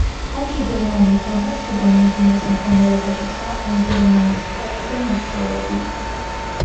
ომში გერმანიის დამარცხებამ უმძიმეს მდგომარეობაში ჩააყენა გერმანიის მხარეზე მებრძოლები.